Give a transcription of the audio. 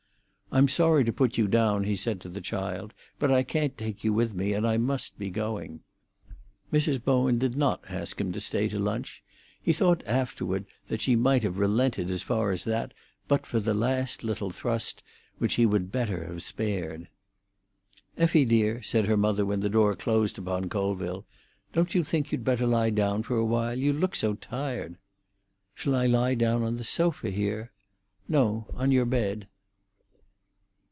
"I'm sorry to put you down," he said to the child; "but I can't take you with me, and I must be going." Mrs. Bowen did not ask him to stay to lunch; he thought afterward that she might have relented as far as that but for the last little thrust, which he would better have spared. "Effie dear," said her mother, when the door closed upon Colville, "don't you think you'd better lie down a while? You look so tired." "Shall I lie down on the sofa here?" "No, on your bed."